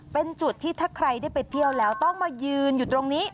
เป็นจุดที่ถ้าใครได้ไปเที่ยวแล้วต้องมายืนอยู่ตรงนี้